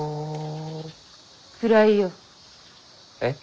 暗いよ。えっ？